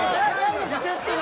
リセットだ。